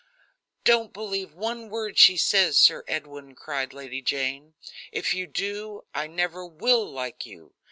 "Don't believe one word she says, Sir Edwin," cried Lady Jane; "if you do I never will like you."